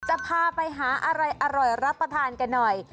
จะพาไปหาอะไรอร่อยรับประทานกันหน่อย